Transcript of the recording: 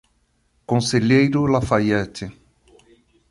Conselheiro Lafaiete